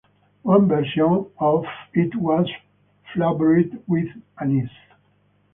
One version of it was flavoured with anise.